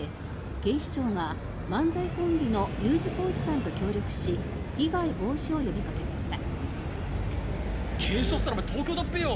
警視庁が漫才コンビのＵ字工事さんと協力し被害防止を呼びかけました。